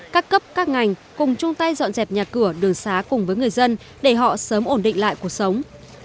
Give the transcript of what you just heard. các cấp các ngành cùng chung tay dọn dẹp nhà cửa đường xá cùng với người dân để họ sớm ổn định lại cuộc sống